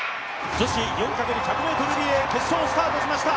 女子４×１００ｍリレー決勝スタートしました。